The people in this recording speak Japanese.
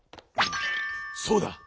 そうだ。